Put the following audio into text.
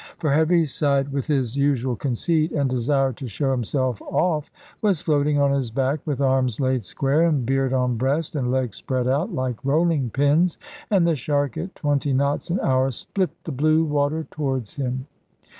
For Heaviside, with his usual conceit, and desire to show himself off, was floating on his back, with arms laid square, and beard on breast, and legs spread out like rolling pins. And the shark at twenty knots an hour split the blue water towards him.